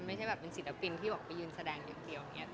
ไม่ใช่แบบเป็นศิลปินที่ออกไปยืนแสดงเดียว